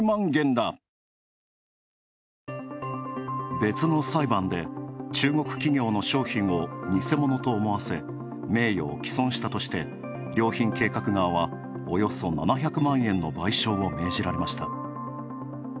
別の裁判で、中国企業の商品を偽物と思わせ名誉を毀損したとして、良品計画側はおよそ７００万円の賠償を命じられました。